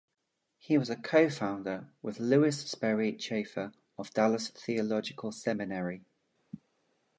He was a co-founder with Lewis Sperry Chafer of Dallas Theological Seminary.